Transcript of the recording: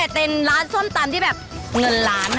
เป็นร้านส้มตำที่แบบเงินล้าน